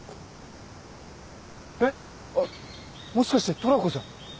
えっもしかしてトラコじゃ？